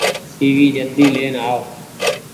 سي وي جلدي لين آئو۔